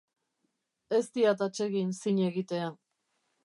Ez diat atsegin zin egitea.